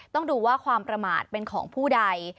ต้องดูว่าความประมาทเป็นของผู้ใด